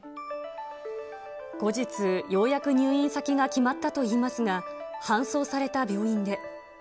後日、ようやく入院先が決まったといいますが、搬送された病院で。